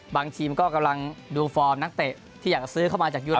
บางทีมก็กำลังดูฟอร์มนักเตะที่อยากจะซื้อเข้ามาจากยูโร